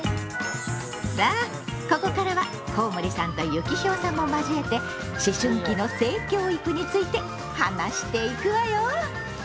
さあここからはコウモリさんとユキヒョウさんも交えて思春期の性教育について話していくわよ。